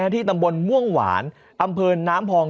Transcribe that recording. ที่ตำบลม่วงหวานอำเภอน้ำพอง